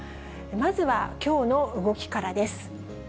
まずはきょうの動きからです。